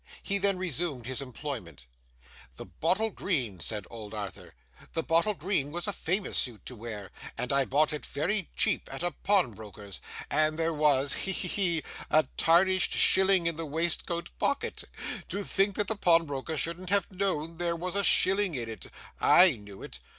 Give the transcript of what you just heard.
He then resumed his employment. 'The bottle green,' said old Arthur; 'the bottle green was a famous suit to wear, and I bought it very cheap at a pawnbroker's, and there was he, he, he! a tarnished shilling in the waistcoat pocket. To think that the pawnbroker shouldn't have known there was a shilling in it! I knew it!